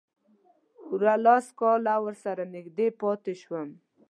پوره لس کاله ورسره نږدې پاتې شوم.